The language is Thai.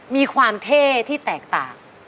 มีความเท่ที่แตกต่าง